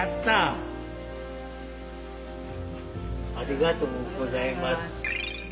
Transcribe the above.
ありがとうございます。